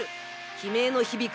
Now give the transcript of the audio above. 悲鳴の響く